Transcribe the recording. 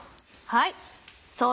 はい。